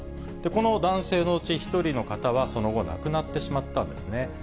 この男性のうち１人の方は、その後、亡くなってしまったんですね。